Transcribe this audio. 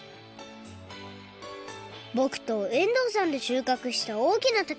ぼくと遠藤さんでしゅうかくした大きなたけのこ。